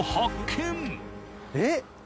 えっ？